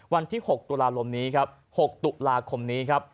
วันที่๖ตุลาคมนี้ครับ๖ตุลาคมนี้ครับ